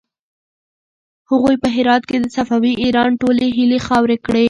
هغوی په هرات کې د صفوي ایران ټولې هيلې خاورې کړې.